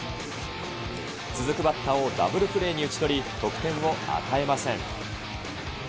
続くバッターをダブルプレーに打ち取り、得点を与えません。